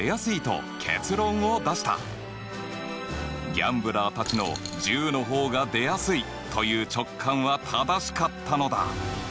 ギャンブラーたちの「１０の方が出やすい」という直感は正しかったのだ！